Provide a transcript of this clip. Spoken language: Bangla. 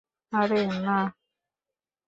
আরে, নাহ!